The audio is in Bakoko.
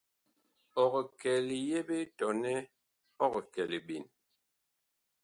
Ɔg kɛ liyeɓe tɔnɛ ɔg kɛ liɓen ?